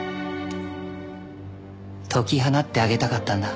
解き放ってあげたかったんだ。